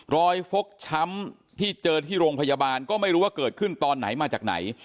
ฟกช้ำที่เจอที่โรงพยาบาลก็ไม่รู้ว่าเกิดขึ้นตอนไหนมาจากไหน